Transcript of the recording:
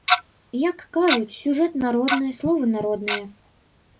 Як кажуць, сюжэт народны, словы народныя.